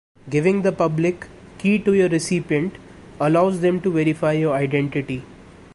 Giving the public key to your recipient allows them to verify your identity.